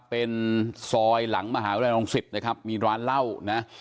เป็นซอยหลังมหาหน้ารองสิตนะครับมีร้านเล่านะฮะ